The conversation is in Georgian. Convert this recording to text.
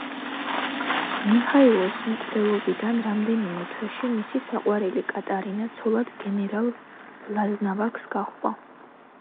მიჰაილოს მკვლელობიდან რამდენიმე თვეში მისი საყვარელი კატარინა ცოლად გენერალ ბლაზნავაკს გაჰყვა.